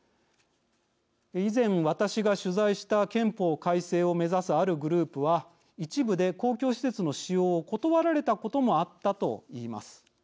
以前、私が取材した憲法改正を目指すあるグループは一部で公共施設の使用を断られたこともあったと言います。